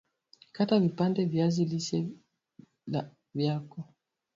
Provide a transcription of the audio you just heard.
kata vipande viazi lishe vyako